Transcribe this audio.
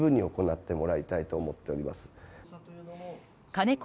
金子